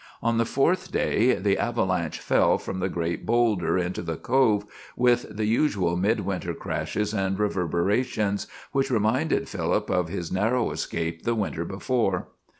On the fourth day the avalanche fell from the great boulder into the Cove, with the usual midwinter crashes and reverberations, which reminded Philip of his narrow escape the winter before.